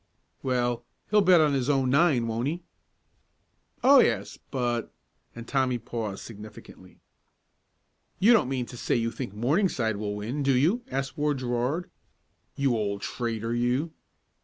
"Well, he'll bet on his own nine; won't he?" "Oh, yes but " and Tommy paused significantly. "You don't mean to say you think Morningside will win, do you?" asked Ward Gerard. "You old traitor, you!"